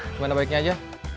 gimana baiknya aja